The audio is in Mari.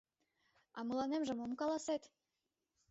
— А мыланемже мом каласет?